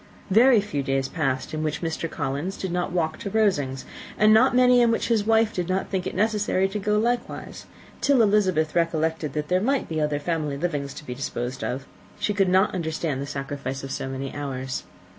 Very few days passed in which Mr. Collins did not walk to Rosings, and not many in which his wife did not think it necessary to go likewise; and till Elizabeth recollected that there might be other family livings to be disposed of, she could not understand the sacrifice of so many hours.